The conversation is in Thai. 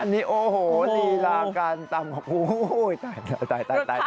อันนี้โอ้โหลีลาการตำ